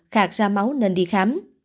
khạt ra máu nên đi khám